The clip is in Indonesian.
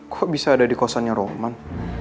kok bisa ada di kosannya rohman